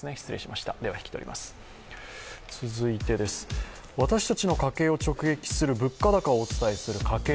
続いて、私たちの家計を直撃する物価高をお伝えする家計